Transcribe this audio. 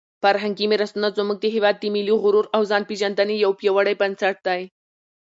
فرهنګي میراثونه زموږ د ملي غرور او د ځانپېژندنې یو پیاوړی بنسټ دی.